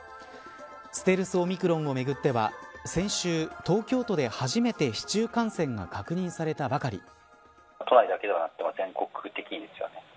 ステルスオミクロンをめぐっては先週、東京都で初めて市中感染が確認されたばかり。